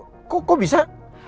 rena kenapa kok bisa